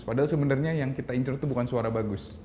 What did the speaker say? padahal sebenarnya yang kita ngincer tuh bukan suara bagus